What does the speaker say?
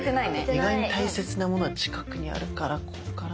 意外と大切なものは近くにあるからここかな？